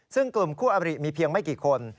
ซึ่งกลุ่มคู่อบริมีเพียงไม่กี่คน